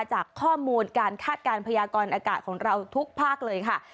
จากข้อมูลการคาดการณ์พยากรอากาศของเราทุกภาคเลยค่ะ